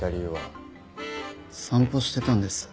散歩してたんです。